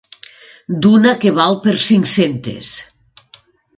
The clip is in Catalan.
D'una que val per cinc-centes.